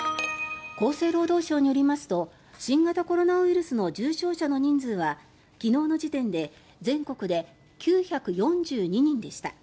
厚生労働省によりますと新型コロナウイルスの重症者の人数は昨日の時点で全国で９４２人でした。